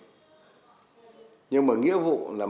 nhưng mà nghĩa vụ là mình chữa khỏi bằng thuốc miễn phí của chương trình